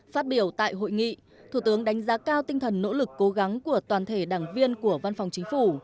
phát biểu tại hội nghị thủ tướng đánh giá cao tinh thần nỗ lực cố gắng của toàn thể đảng viên của văn phòng chính phủ